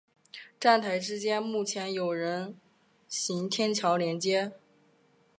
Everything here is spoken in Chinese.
站台之间目前有人行天桥连接。